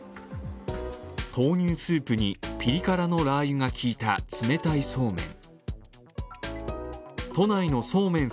豆乳スープにピリ辛のラー油がきいた冷たいそうめん。